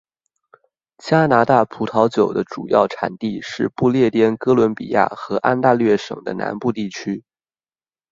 加拿大葡萄酒的主要产地是不列颠哥伦比亚和安大略省的南部地区。